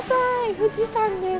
富士山です。